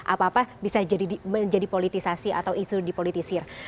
apa apa bisa menjadi politisasi atau isu dipolitisir